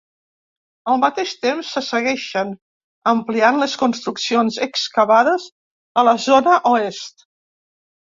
Al mateix temps se segueixen ampliant les construccions excavades a la zona oest.